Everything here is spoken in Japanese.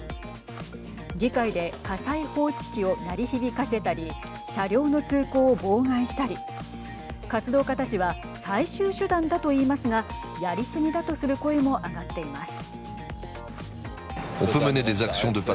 議会で火災報知器を鳴り響かせたり車両の通行を妨害したり活動家たちは最終手段だと言いますがやりすぎだとする声も上がっています。